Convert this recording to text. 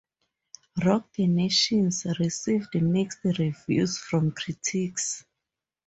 "Rock the Nations" received mixed reviews from critics.